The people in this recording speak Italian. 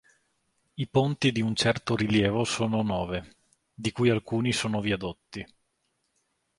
I ponti di un certo rilievo sono nove, di cui alcuni sono viadotti.